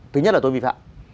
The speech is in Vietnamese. thứ nhất là tôi bị phạm